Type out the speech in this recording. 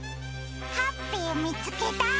ハッピーみつけた！